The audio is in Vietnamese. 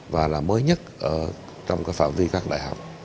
và là mới nhất trong cái phạm vi các đại học